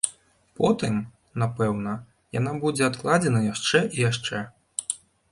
Потым, напэўна, яна будзе адкладзена яшчэ і яшчэ.